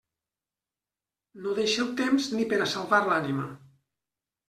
No deixeu temps ni per a salvar l'ànima.